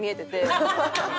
ハハハハ！